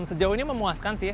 sejauh ini memuaskan sih ya